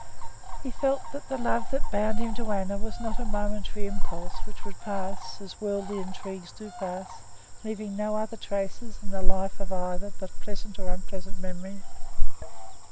He felt that the love that bound him to Anna was not a momentary impulse, which would pass, as worldly intrigues do pass, leaving no other traces in the life of either but pleasant or unpleasant memories.